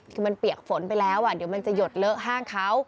คือมันเปียกฝนไปแล้วเดี๋ยวมันจะหยดเลอะห้างเขา